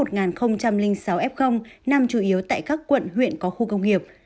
nằm chủ yếu tại các quận huyện có khu công nghiệp